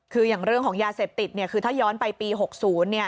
คืออย่างเรื่องของยาเสพติดเนี่ยคือถ้าย้อนไปปี๖๐เนี่ย